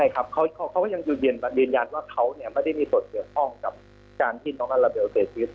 เขาก็ยังยืนยันว่าเขาไม่ได้มีส่วนเกี่ยวข้องกับการที่น้องอัลลาเบลเสียชีวิต